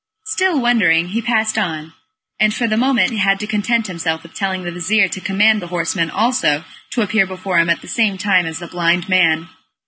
Still wondering, he passed on, and for the moment had to content himself with telling the vizir to command the horseman also to appear before him at the same time as the blind man.